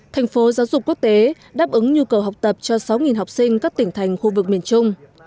thành phố giáo dục quốc tế đáp ứng nhu cầu học tập cho sáu học sinh các tỉnh thành khu vực miền trung